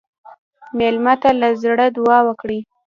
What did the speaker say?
مېلمه ته له زړه دعا وکړئ.